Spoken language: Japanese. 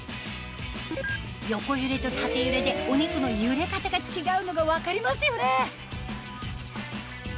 横揺れと縦揺れでお肉の揺れ方が違うのが分かりますよね